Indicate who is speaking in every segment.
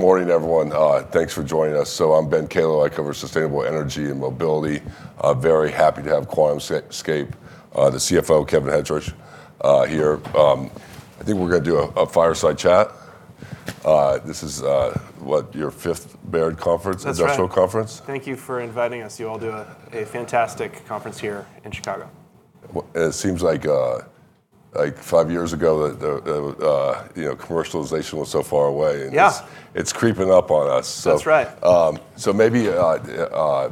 Speaker 1: Good morning, everyone. Thanks for joining us. So I'm Ben Kallo. I cover sustainable energy and mobility. Very happy to have QuantumScape, the CFO, Kevin Hettrich, here. I think we're going to do a fireside chat. This is what your fifth Baird conference, industrial conference?
Speaker 2: Thank you for inviting us. You all do a fantastic conference here in Chicago.
Speaker 1: It seems like five years ago, commercialization was so far away.
Speaker 2: Yeah.
Speaker 1: It's creeping up on us.
Speaker 2: That's right.
Speaker 1: So maybe,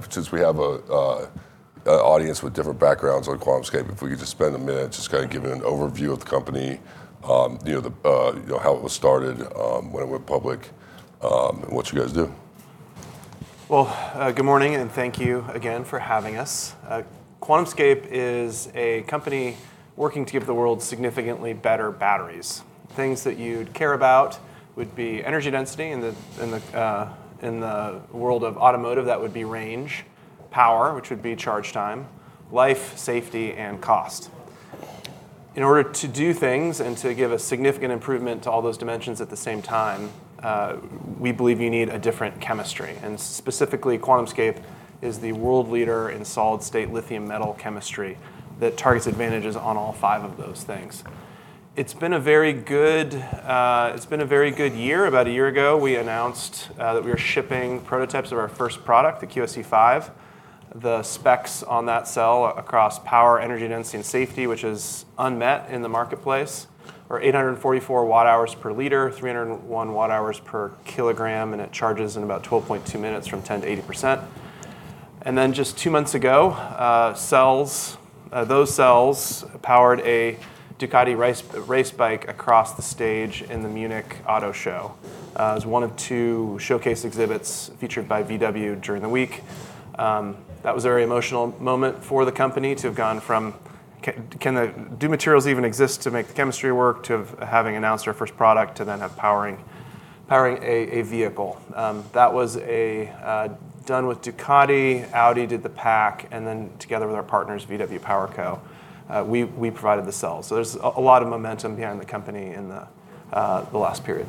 Speaker 1: since we have an audience with different backgrounds on QuantumScape, if we could just spend a minute just kind of giving an overview of the company, how it was started, when it went public, and what you guys do.
Speaker 2: Good morning. Thank you again for having us. QuantumScape is a company working to give the world significantly better batteries. Things that you'd care about would be energy density in the world of automotive. That would be range. Power, which would be charge time. Life, safety, and cost. In order to do things and to give a significant improvement to all those dimensions at the same time, we believe you need a different chemistry. Specifically, QuantumScape is the world leader in solid-state lithium metal chemistry that targets advantages on all five of those things. It's been a very good year. About a year ago, we announced that we were shipping prototypes of our first product, the QSE-5. The specs on that cell across power, energy density, and safety, which is unmet in the marketplace, are 844 Wh/L, 301 Wh/kg, and it charges in about 12.2 minutes from 10% to 80%. And then just two months ago, those cells powered a Ducati race bike across the stage in the Munich Auto Show. It was one of two showcase exhibits featured by VW during the week. That was a very emotional moment for the company to have gone from, can the materials even exist to make the chemistry work, to having announced our first product, to then powering a vehicle. That was done with Ducati. Audi did the pack. And then together with our partners, VW PowerCo, we provided the cells. So there's a lot of momentum behind the company in the last period.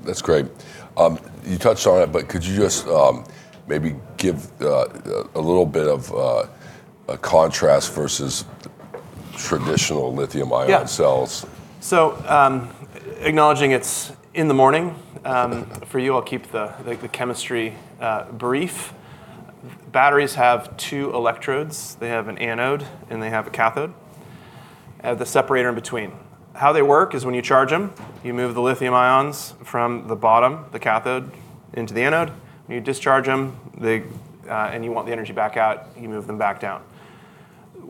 Speaker 1: That's great. You touched on it, but could you just maybe give a little bit of contrast versus traditional lithium-ion cells?
Speaker 2: So, acknowledging it's in the morning. For you, I'll keep the chemistry brief. Batteries have two electrodes. They have an anode, and they have a cathode, the separator in between. How they work is when you charge them, you move the lithium ions from the bottom, the cathode, into the anode. When you discharge them and you want the energy back out, you move them back down.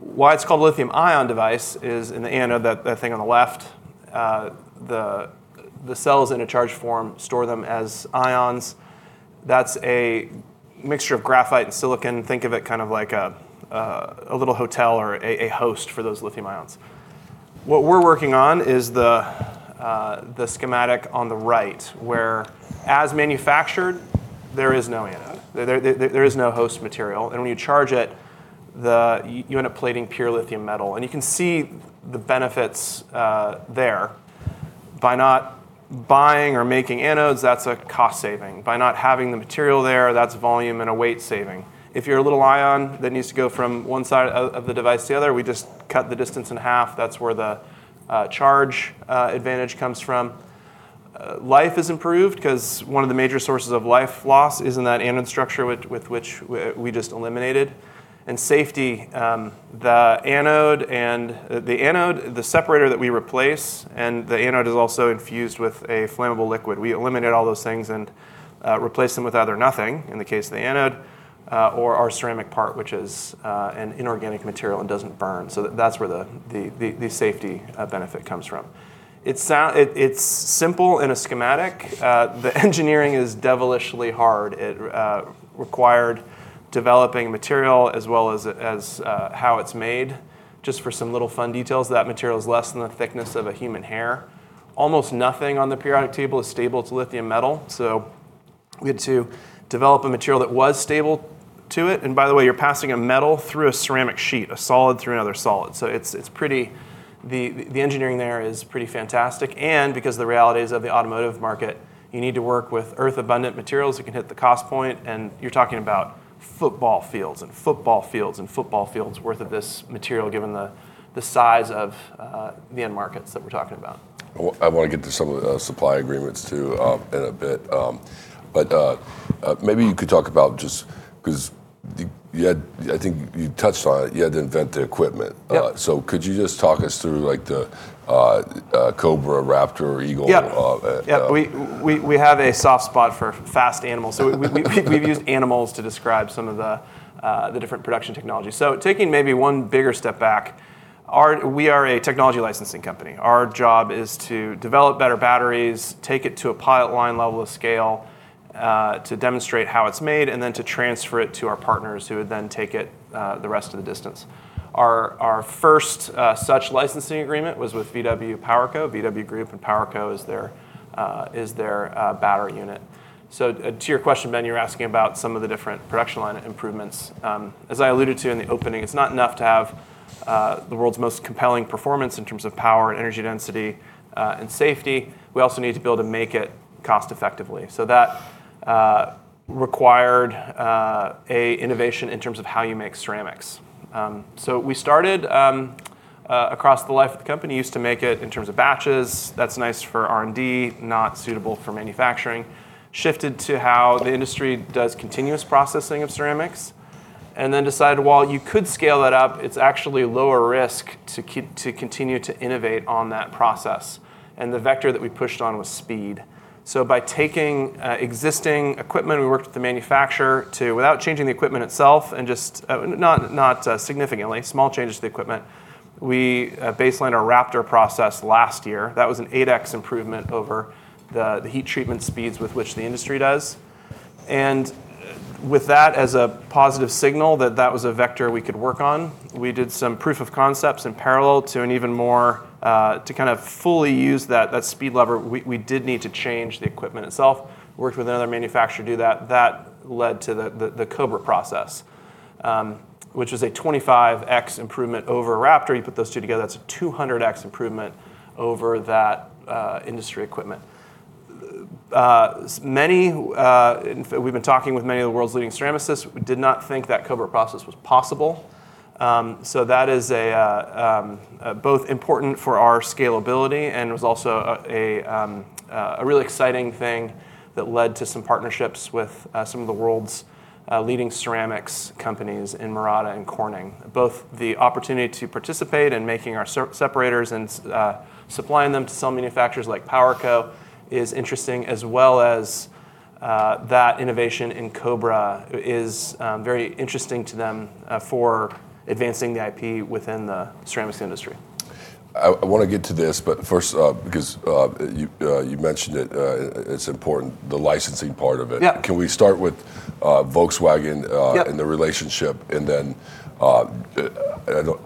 Speaker 2: Why it's called a lithium-ion device is in the anode, that thing on the left, the cells in a charge form store them as ions. That's a mixture of graphite and silicon. Think of it kind of like a little hotel or a host for those lithium ions. What we're working on is the schematic on the right, where as manufactured, there is no anode. There is no host material. And when you charge it, you end up plating pure lithium metal. And you can see the benefits there. By not buying or making anodes, that's a cost saving. By not having the material there, that's volume and a weight saving. If you're a little ion that needs to go from one side of the device to the other, we just cut the distance in half. That's where the charge advantage comes from. Life is improved because one of the major sources of life loss is in that anode structure with which we just eliminated. And safety, the separator that we replace and the anode is also infused with a flammable liquid. We eliminate all those things and replace them with either nothing, in the case of the anode, or our ceramic part, which is an inorganic material and doesn't burn. So that's where the safety benefit comes from. It's simple in a schematic. The engineering is devilishly hard. It required developing material as well as how it's made. Just for some little fun details, that material is less than the thickness of a human hair. Almost nothing on the periodic table is stable to lithium metal. So we had to develop a material that was stable to it. And by the way, you're passing a metal through a ceramic sheet, a solid through another solid. So the engineering there is pretty fantastic. And because of the realities of the automotive market, you need to work with earth-abundant materials that can hit the cost point. And you're talking about football fields and football fields and football fields' worth of this material given the size of the end markets that we're talking about.
Speaker 1: I want to get to some of the supply agreements too in a bit. But maybe you could talk about just because I think you touched on it, you had to invent the equipment. So could you just talk us through the Cobra, Raptor, or Eagle?
Speaker 2: Yeah. We have a soft spot for fast animals. So we've used animals to describe some of the different production technologies. So taking maybe one bigger step back, we are a technology licensing company. Our job is to develop better batteries, take it to a pilot line level of scale to demonstrate how it's made, and then to transfer it to our partners who would then take it the rest of the distance. Our first such licensing agreement was with VW PowerCo. VW Group and PowerCo is their battery unit. So to your question, Ben, you're asking about some of the different production line improvements. As I alluded to in the opening, it's not enough to have the world's most compelling performance in terms of power and energy density and safety. We also need to be able to make it cost-effectively. So that required an innovation in terms of how you make ceramics. So we started across the life of the company used to make it in terms of batches. That's nice for R&D, not suitable for manufacturing. Shifted to how the industry does continuous processing of ceramics. And then decided, well, you could scale that up. It's actually lower risk to continue to innovate on that process. And the vector that we pushed on was speed. So by taking existing equipment, we worked with the manufacturer to, without changing the equipment itself and just not significantly, small changes to the equipment, we baselined our Raptor process last year. That was an 8x improvement over the heat treatment speeds with which the industry does. With that as a positive signal that that was a vector we could work on, we did some proof of concepts in parallel to an even more to kind of fully use that speed lever. We did need to change the equipment itself. We worked with another manufacturer to do that. That led to the Cobra process, which is a 25x improvement over Raptor. You put those two together, that's a 200x improvement over that industry equipment. We've been talking with many of the world's leading ceramicists. We did not think that Cobra process was possible. So that is both important for our scalability and was also a really exciting thing that led to some partnerships with some of the world's leading ceramics companies in Murata and Corning. Both the opportunity to participate in making our separators and supplying them to some manufacturers like PowerCo is interesting, as well as that innovation in Cobra is very interesting to them for advancing the IP within the ceramics industry.
Speaker 1: I want to get to this, but first, because you mentioned that it's important, the licensing part of it. Can we start with Volkswagen and the relationship? And then I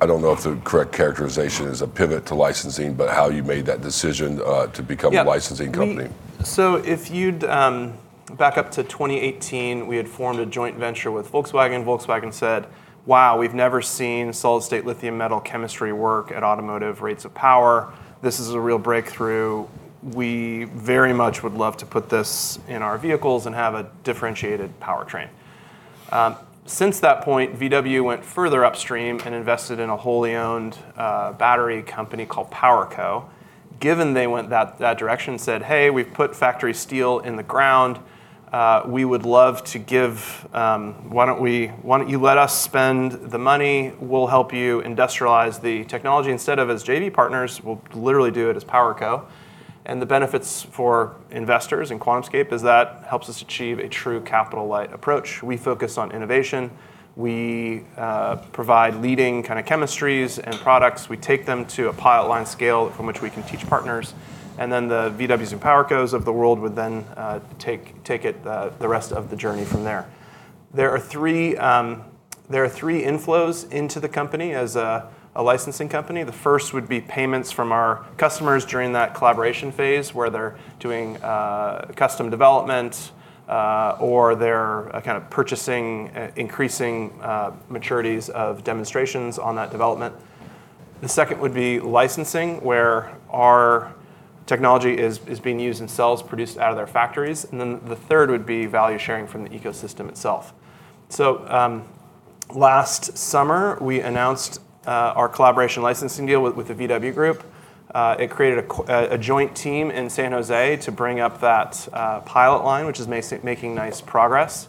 Speaker 1: don't know if the correct characterization is a pivot to licensing, but how you made that decision to become a licensing company?
Speaker 2: So if you'd back up to 2018, we had formed a joint venture with Volkswagen. Volkswagen said, wow, we've never seen solid-state lithium metal chemistry work at automotive rates of power. This is a real breakthrough. We very much would love to put this in our vehicles and have a differentiated powertrain. Since that point, VW went further upstream and invested in a wholly-owned battery company called PowerCo. Given they went that direction and said, hey, we've put factory steel in the ground, we would love to give, why don't you let us spend the money? We'll help you industrialize the technology. Instead of as JV partners, we'll literally do it as PowerCo. And the benefits for investors in QuantumScape is that helps us achieve a true capital-light approach. We focus on innovation. We provide leading kind of chemistries and products. We take them to a pilot line scale from which we can teach partners, and then the VWs and PowerCos of the world would then take it the rest of the journey from there. There are three inflows into the company as a licensing company. The first would be payments from our customers during that collaboration phase where they're doing custom development or they're kind of purchasing, increasing maturities of demonstrations on that development. The second would be licensing, where our technology is being used in cells produced out of their factories, and then the third would be value sharing from the ecosystem itself, so last summer, we announced our collaboration licensing deal with the VW Group. It created a joint team in San Jose to bring up that pilot line, which is making nice progress.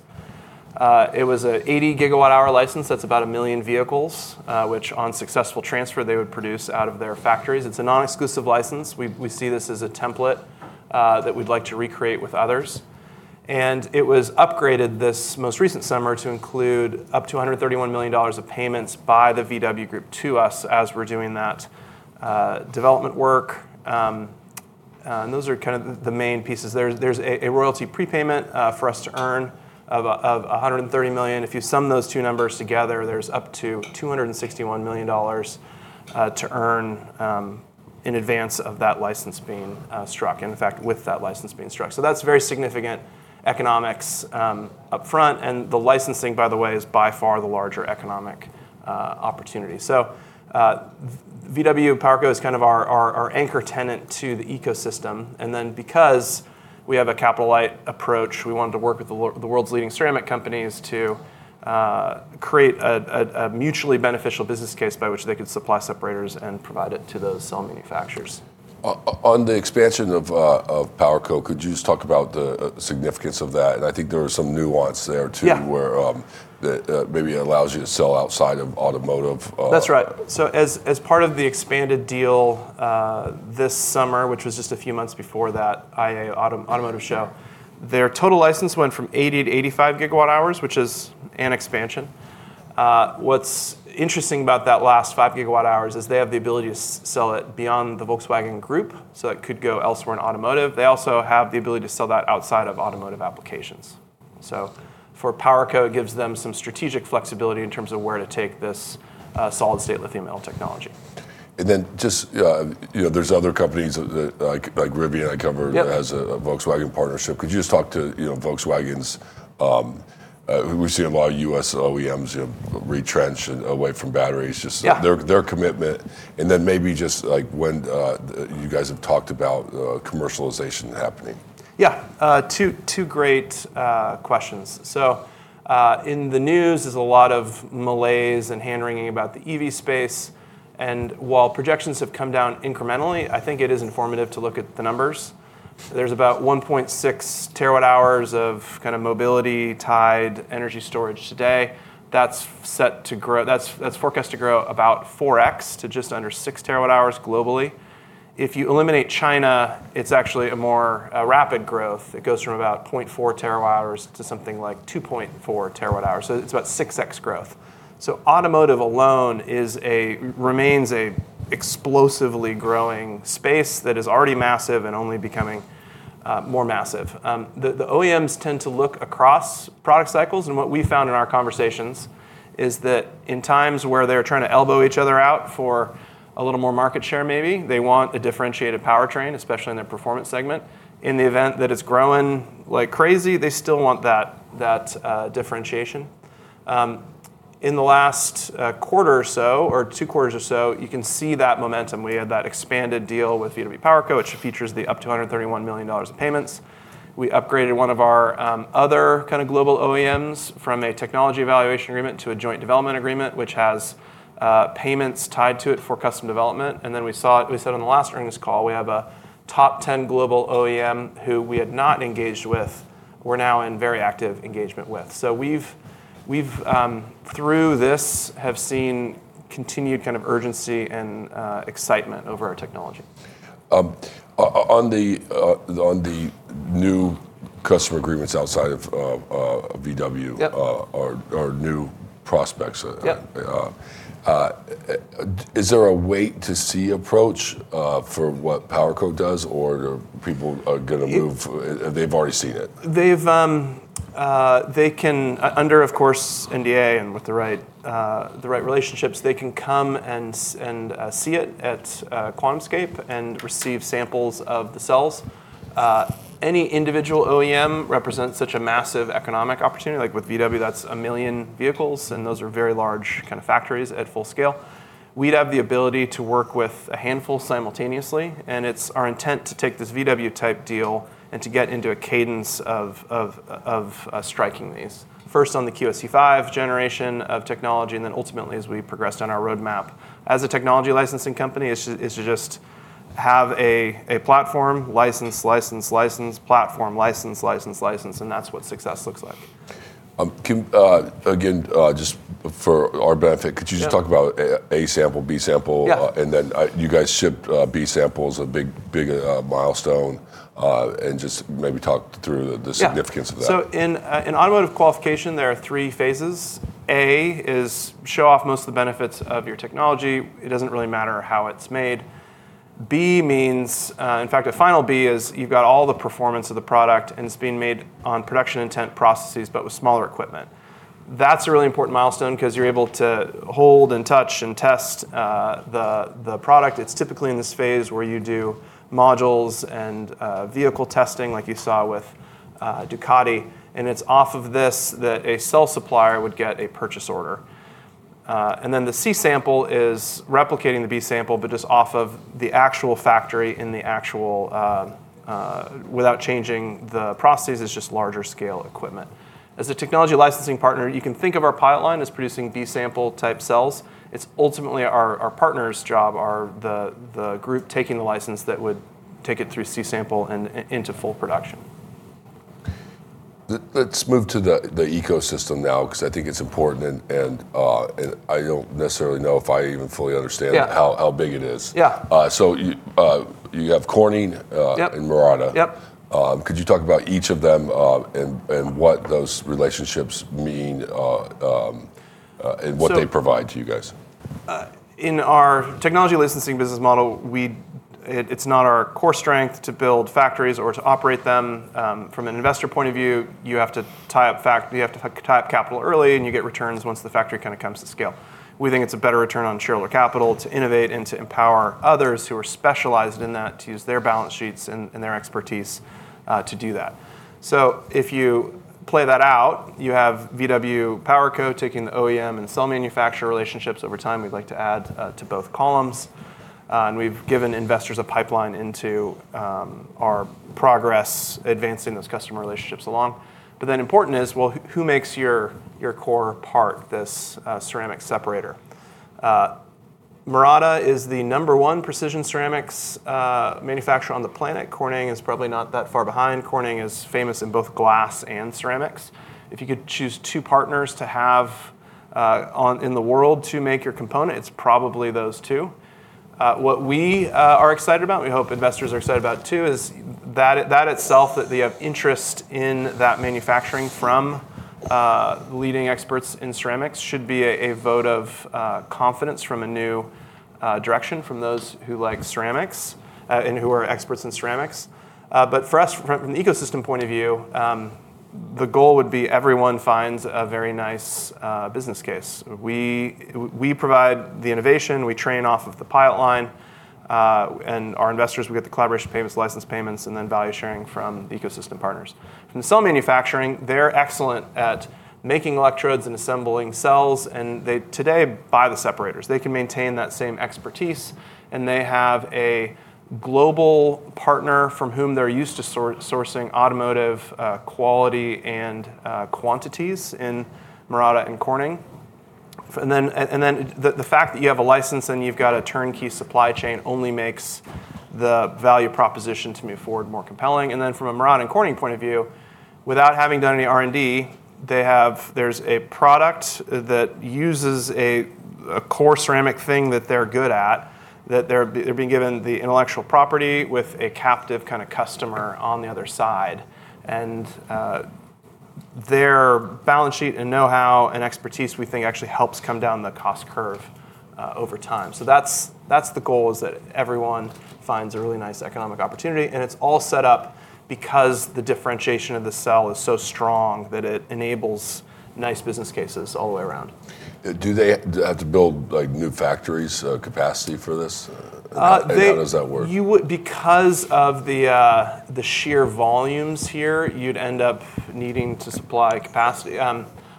Speaker 2: It was an 80 GWh license. That's about a million vehicles, which on successful transfer they would produce out of their factories. It's a non-exclusive license. We see this as a template that we'd like to recreate with others. And it was upgraded this most recent summer to include up to $131 million of payments by the VW Group to us as we're doing that development work. And those are kind of the main pieces. There's a royalty prepayment for us to earn of $130 million. If you sum those two numbers together, there's up to $261 million to earn in advance of that license being struck and, in fact, with that license being struck. So that's very significant economics upfront. And the licensing, by the way, is by far the larger economic opportunity. So VW and PowerCo is kind of our anchor tenant to the ecosystem. Because we have a capital-light approach, we wanted to work with the world's leading ceramic companies to create a mutually beneficial business case by which they could supply separators and provide it to those cell manufacturers.
Speaker 1: On the expansion of PowerCo, could you just talk about the significance of that? And I think there was some nuance there too where maybe it allows you to sell outside of automotive.
Speaker 2: That's right. So as part of the expanded deal this summer, which was just a few months before that IAA automotive show, their total license went from 80 to 85 GWhs, which is an expansion. What's interesting about that last five GWhs is they have the ability to sell it beyond the Volkswagen Group. So it could go elsewhere in automotive. They also have the ability to sell that outside of automotive applications. So for PowerCo, it gives them some strategic flexibility in terms of where to take this solid-state lithium-ion technology.
Speaker 1: And then just, there's other companies like Rivian I covered as a Volkswagen partnership. Could you just talk to Volkswagen's? We've seen a lot of U.S. OEMs retrench away from batteries. Just their commitment. And then maybe just when you guys have talked about commercialization happening.
Speaker 2: Yeah. Two great questions. So in the news, there's a lot of malaise and hand-wringing about the EV space. And while projections have come down incrementally, I think it is informative to look at the numbers. There's about 1.6 TWh of kind of mobility tied energy storage today. That's forecast to grow about 4x to just under 6 TWh globally. If you eliminate China, it's actually a more rapid growth. It goes from about 0.4 TWh to something like 2.4 TWh. So it's about 6x growth. So automotive alone remains an explosively growing space that is already massive and only becoming more massive. The OEMs tend to look across product cycles. And what we found in our conversations is that in times where they're trying to elbow each other out for a little more market share maybe, they want a differentiated powertrain, especially in their performance segment. In the event that it's growing like crazy, they still want that differentiation. In the last quarter or so or two quarters or so, you can see that momentum. We had that expanded deal with VW PowerCo, which features up to $131 million of payments. We upgraded one of our other kind of global OEMs from a technology evaluation agreement to a joint development agreement, which has payments tied to it for custom development. And then we said on the last earnings call, we have a top 10 global OEM who we had not engaged with, we're now in very active engagement with. So we've, through this, have seen continued kind of urgency and excitement over our technology.
Speaker 1: On the new customer agreements outside of VW or new prospects, is there a wait-to-see approach for what PowerCo does or people are going to move? They've already seen it.
Speaker 2: They can, under, of course, NDA and with the right relationships, they can come and see it at QuantumScape and receive samples of the cells. Any individual OEM represents such a massive economic opportunity. Like with VW, that's a million vehicles, and those are very large kind of factories at full scale. We'd have the ability to work with a handful simultaneously, and it's our intent to take this VW-type deal and to get into a cadence of striking these. First on the QSE-5 generation of technology and then ultimately as we progressed on our roadmap. As a technology licensing company, it's to just have a platform license, license, license, platform license, license, license, and that's what success looks like.
Speaker 1: Again, just for our benefit, could you just talk about A sample, B sample? And then you guys shipped B samples, a big milestone. And just maybe talk through the significance of that.
Speaker 2: In automotive qualification, there are three phases. A is show off most of the benefits of your technology. It doesn't really matter how it's made. B means, in fact, a final B is you've got all the performance of the product and it's being made on production-intent processes, but with smaller equipment. That's a really important milestone because you're able to hold and touch and test the product. It's typically in this phase where you do modules and vehicle testing like you saw with Ducati. It's off of this that a cell supplier would get a purchase order. Then the C sample is replicating the B sample, but just off of the actual factory in the actual without changing the processes. It's just larger scale equipment. As a technology licensing partner, you can think of our pilot line as producing B sample type cells. It's ultimately our partner's job, the group taking the license that would take it through C sample and into full production.
Speaker 1: Let's move to the ecosystem now because I think it's important, and I don't necessarily know if I even fully understand how big it is, so you have Corning and Murata. Could you talk about each of them and what those relationships mean and what they provide to you guys?
Speaker 2: In our technology licensing business model, it's not our core strength to build factories or to operate them. From an investor point of view, you have to tie up capital early and you get returns once the factory kind of comes to scale. We think it's a better return on shareholder capital to innovate and to empower others who are specialized in that to use their balance sheets and their expertise to do that. So if you play that out, you have VW, PowerCo taking the OEM and cell manufacturer relationships over time. We'd like to add to both columns. And we've given investors a pipeline into our progress advancing those customer relationships along. But then important is, well, who makes your core part, this ceramic separator? Murata is the number one precision ceramics manufacturer on the planet. Corning is probably not that far behind. Corning is famous in both glass and ceramics. If you could choose two partners to have in the world to make your component, it's probably those two. What we are excited about, we hope investors are excited about too, is that itself, that the interest in that manufacturing from leading experts in ceramics should be a vote of confidence from a new direction from those who like ceramics and who are experts in ceramics. But for us, from the ecosystem point of view, the goal would be everyone finds a very nice business case. We provide the innovation. We train off of the pilot line. And our investors, we get the collaboration payments, license payments, and then value sharing from ecosystem partners. From the cell manufacturing, they're excellent at making electrodes and assembling cells. And they today buy the separators. They can maintain that same expertise. And they have a global partner from whom they're used to sourcing automotive quality and quantities in Murata and Corning. And then the fact that you have a license and you've got a turnkey supply chain only makes the value proposition to move forward more compelling. And then from a Murata and Corning point of view, without having done any R&D, there's a product that uses a core ceramic thing that they're good at, that they're being given the intellectual property with a captive kind of customer on the other side. And their balance sheet and know-how and expertise we think actually helps come down the cost curve over time. So that's the goal is that everyone finds a really nice economic opportunity. And it's all set up because the differentiation of the cell is so strong that it enables nice business cases all the way around.
Speaker 1: Do they have to build new factory capacity for this? How does that work?
Speaker 2: Because of the sheer volumes here, you'd end up needing to supply capacity.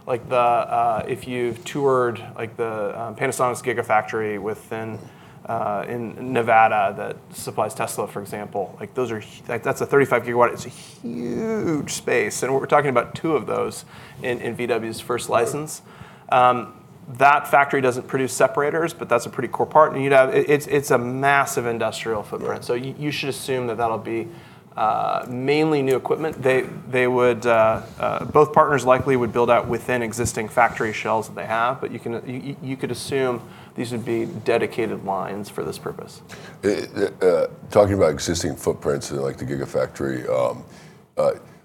Speaker 2: If you've toured the Panasonic's Gigafactory in Nevada that supplies Tesla, for example, that's a 35 GWh. It's a huge space, and we're talking about two of those in VW's first license. That factory doesn't produce separators, but that's a pretty core part, and it's a massive industrial footprint, so you should assume that that'll be mainly new equipment. Both partners likely would build out within existing factory shells that they have, but you could assume these would be dedicated lines for this purpose.
Speaker 1: Talking about existing footprints and like the Gigafactory,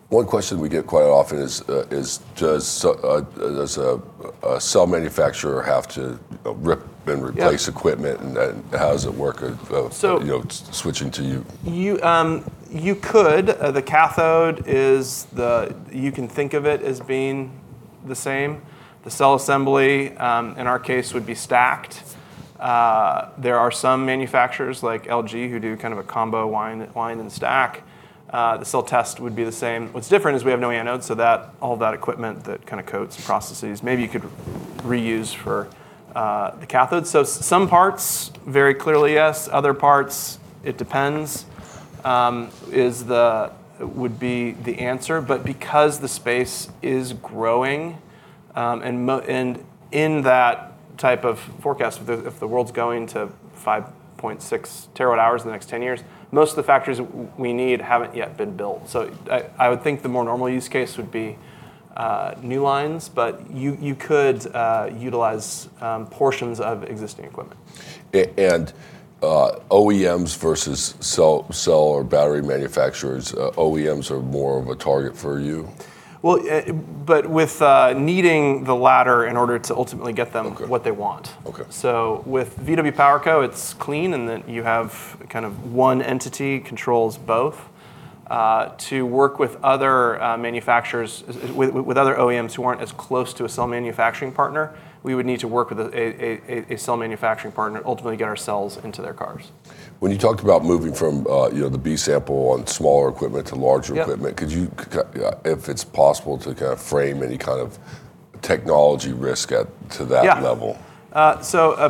Speaker 1: one question we get quite often is, does a cell manufacturer have to rip and replace equipment? And how does it work? Switching to you.
Speaker 2: You could. The cathode, you can think of it as being the same. The cell assembly, in our case, would be stacked. There are some manufacturers like LG who do kind of a combo wind and stack. The cell test would be the same. What's different is we have no anode. So all that equipment that kind of coating processes maybe you could reuse for the cathode. So some parts, very clearly yes. Other parts, it depends, would be the answer. Because the space is growing and in that type of forecast, if the world's going to 5.6 TWh in the next 10 years, most of the factories we need haven't yet been built. So I would think the more normal use case would be new lines. But you could utilize portions of existing equipment.
Speaker 1: OEMs versus cell or battery manufacturers, OEMs are more of a target for you?
Speaker 2: Well, but with needing the latter in order to ultimately get them what they want. So, with VW PowerCo, it's clean in that you have kind of one entity controls both. To work with other manufacturers, with other OEMs who aren't as close to a cell manufacturing partner, we would need to work with a cell manufacturing partner to ultimately get our cells into their cars.
Speaker 1: When you talked about moving from the B sample on smaller equipment to larger equipment, could you, if it's possible, to kind of frame any kind of technology risk to that level?
Speaker 2: Yeah. So a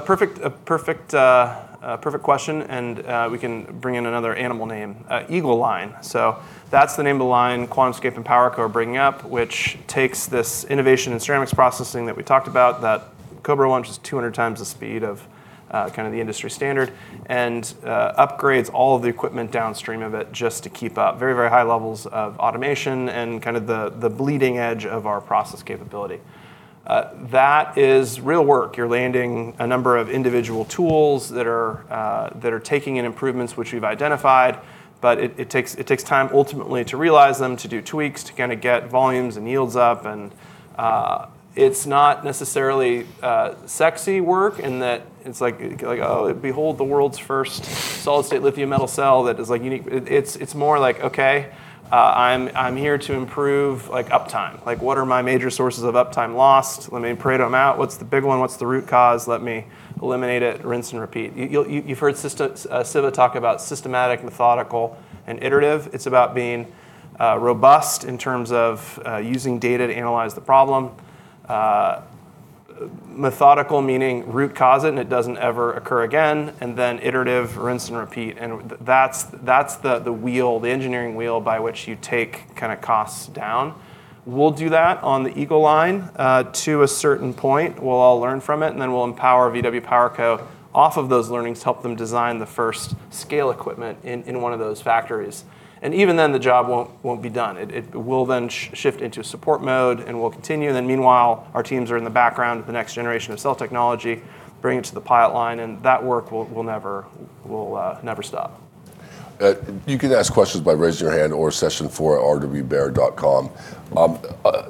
Speaker 2: perfect question. And we can bring in another animal name, Eagle Line. So that's the name of the line QuantumScape and PowerCo are bringing up, which takes this innovation in ceramics processing that we talked about, that Cobra launches 200 times the speed of kind of the industry standard and upgrades all of the equipment downstream of it just to keep up very, very high levels of automation and kind of the bleeding edge of our process capability. That is real work. You're landing a number of individual tools that are taking in improvements, which we've identified. But it takes time ultimately to realize them, to do tweaks, to kind of get volumes and yields up. And it's not necessarily sexy work in that it's like, oh, behold the world's first solid-state lithium metal cell that is unique. It's more like, OK, I'm here to improve uptime. What are my major sources of uptime loss? Let me parade them out. What's the big one? What's the root cause? Let me eliminate it, rinse and repeat. You've heard Siva talk about systematic, methodical, and iterative. It's about being robust in terms of using data to analyze the problem. Methodical meaning root cause it and it doesn't ever occur again. And then iterative, rinse and repeat. And that's the wheel, the engineering wheel by which you take kind of costs down. We'll do that on the Eagle Line to a certain point. We'll all learn from it. And then we'll empower VW PowerCo off of those learnings to help them design the first scale equipment in one of those factories. And even then, the job won't be done. It will then shift into a support mode. And we'll continue. And then, meanwhile, our teams are in the background of the next generation of cell technology, bring it to the pilot line. And that work will never stop.
Speaker 1: You can ask questions by raising your hand or session4@baird.com.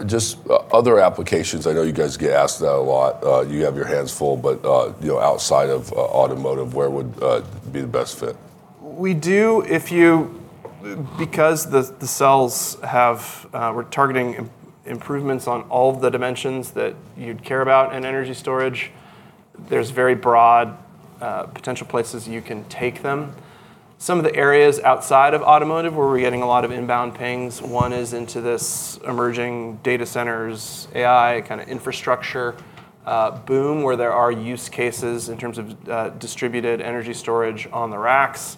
Speaker 1: Just other applications, I know you guys get asked that a lot. You have your hands full. But outside of automotive, where would be the best fit?
Speaker 2: We do, because the cells, we're targeting improvements on all of the dimensions that you'd care about in energy storage. There's very broad potential places you can take them. Some of the areas outside of automotive where we're getting a lot of inbound pings. One is into this emerging data centers AI kind of infrastructure boom where there are use cases in terms of distributed energy storage on the racks.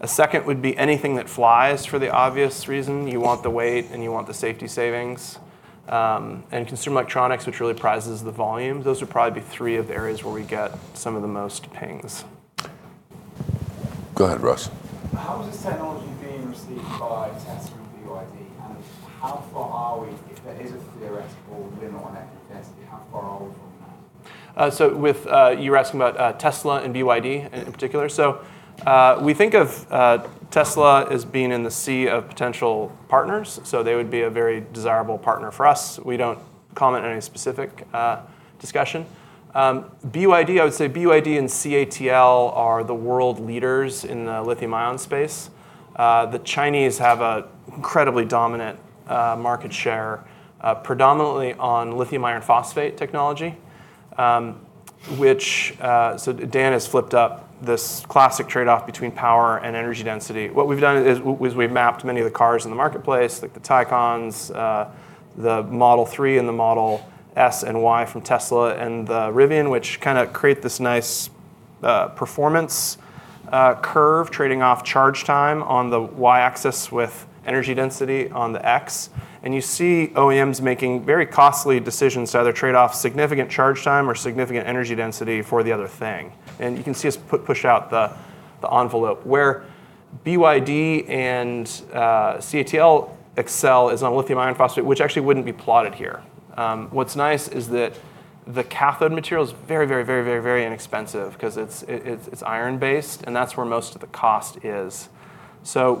Speaker 2: A second would be anything that flies for the obvious reason. You want the weight and you want the safety savings. And consumer electronics, which really prizes the volume, those would probably be three of the areas where we get some of the most pings.
Speaker 1: Go ahead, Russ. How is this technology being received by Tesla and BYD? And how far are we if there is a theoretical limit on efficacy? How far are we from that?
Speaker 2: You were asking about Tesla and BYD in particular. We think of Tesla as being in the sea of potential partners. They would be a very desirable partner for us. We don't comment on any specific discussion. BYD, I would say BYD and CATL are the world leaders in the lithium-ion space. The Chinese have an incredibly dominant market share predominantly on lithium-iron phosphate technology. Dan has flipped up this classic trade-off between power and energy density. What we've done is we've mapped many of the cars in the marketplace, like the Taycans, the Model 3 and the Model S and Y from Tesla, and the Rivian, which kind of create this nice performance curve trading off charge time on the Y axis with energy density on the X. And you see OEMs making very costly decisions to either trade off significant charge time or significant energy density for the other thing. And you can see us push out the envelope. Where BYD and CATL excel is on lithium-iron phosphate, which actually wouldn't be plotted here. What's nice is that the cathode material is very, very, very, very, very inexpensive because it's iron-based. And that's where most of the cost is. So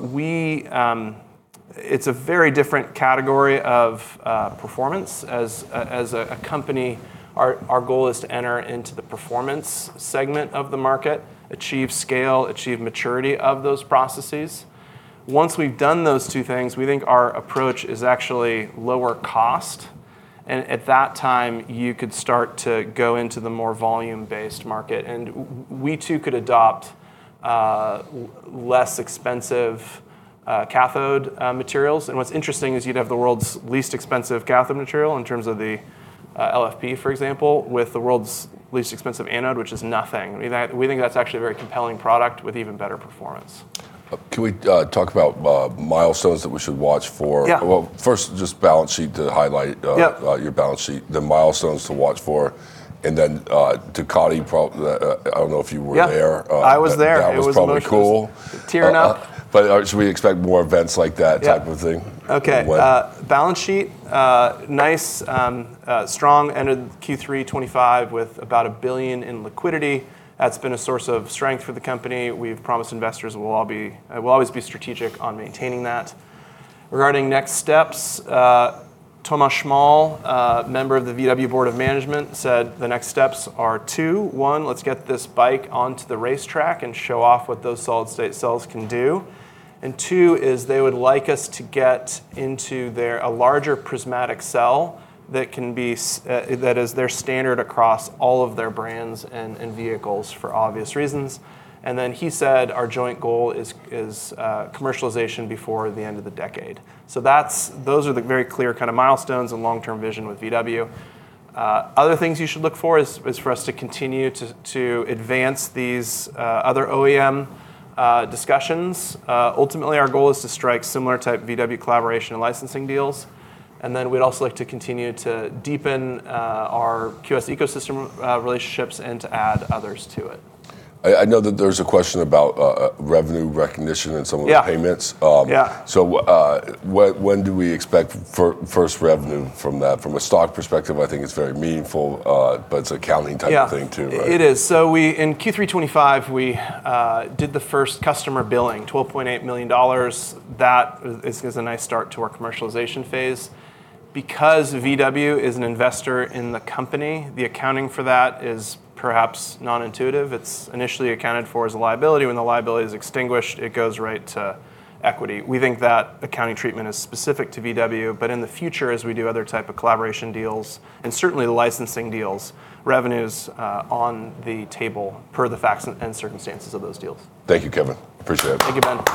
Speaker 2: it's a very different category of performance. As a company, our goal is to enter into the performance segment of the market, achieve scale, achieve maturity of those processes. Once we've done those two things, we think our approach is actually lower cost. And at that time, you could start to go into the more volume-based market. And we too could adopt less expensive cathode materials. What's interesting is you'd have the world's least expensive cathode material in terms of the LFP, for example, with the world's least expensive anode, which is nothing. We think that's actually a very compelling product with even better performance.
Speaker 1: Can we talk about milestones that we should watch for?
Speaker 2: Yeah.
Speaker 1: First, just balance sheet to highlight your balance sheet, the milestones to watch for, and then Ducati. I don't know if you were there.
Speaker 2: Yeah, I was there.
Speaker 1: It was probably cool.
Speaker 2: Tearing up.
Speaker 1: But should we expect more events like that type of thing?
Speaker 2: OK. Balance sheet, nice, strong ended Q3 2025 with about $1 billion in liquidity. That's been a source of strength for the company. We've promised investors we'll always be strategic on maintaining that. Regarding next steps, Thomas Schmall, Member of the VW Board of Management, said the next steps are two. One, let's get this bike onto the racetrack and show off what those solid-state cells can do. And two is they would like us to get into a larger prismatic cell that is their standard across all of their brands and vehicles for obvious reasons. And then he said our joint goal is commercialization before the end of the decade. So those are the very clear kind of milestones and long-term vision with VW. Other things you should look for is for us to continue to advance these other OEM discussions. Ultimately, our goal is to strike similar type VW collaboration and licensing deals, and then we'd also like to continue to deepen our QS ecosystem relationships and to add others to it.
Speaker 1: I know that there's a question about revenue recognition and some of the payments.
Speaker 2: Yeah.
Speaker 1: So when do we expect first revenue from that? From a stock perspective, I think it's very meaningful. But it's accounting type of thing too.
Speaker 2: It is. So in Q3 2025, we did the first customer billing, $12.8 million. That is a nice start to our commercialization phase. Because VW is an investor in the company, the accounting for that is perhaps non-intuitive. It's initially accounted for as a liability. When the liability is extinguished, it goes right to equity. We think that accounting treatment is specific to VW. But in the future, as we do other type of collaboration deals and certainly the licensing deals, revenue's on the table per the facts and circumstances of those deals.
Speaker 1: Thank you, Kevin. Appreciate it.
Speaker 2: Thank you, Ben.